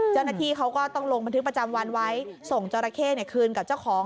จนทีเขาก็ต้องลงบันทึกประจำวันไว้ส่งจรเข้เนี่ยคืนกับเจ้าของ